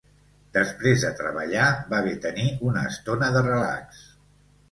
Després de treballar va bé tenir una estona de relax.